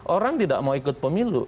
orang tidak mau ikut pemilu